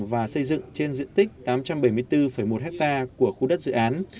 và xây dựng trên diện tích tám trăm bảy mươi bốn một ha của khu đất dự án